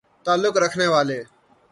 تعلق رکھنے والے